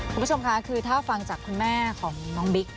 คุณผู้ชมค่ะคือถ้าฟังจากคุณแม่ของน้องบิ๊ก